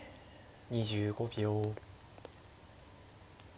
２５秒。